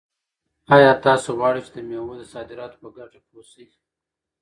آیا تاسو غواړئ چې د مېوو د صادراتو په ګټه پوه شئ؟